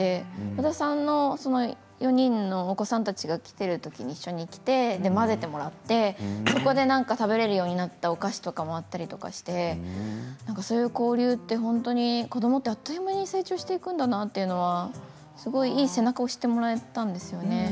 野田さんの４人のお子さんたちが来ている時に一緒に来て混ぜてもらってそこで何か、食べられるようになったお菓子もあったりしてそういう交流って子どもってあっという間に成長していくんだなというのはすごい背中を押したもらったんですよね。